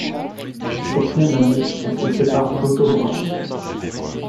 Cette même année, elle se sépare d'Otto Braun.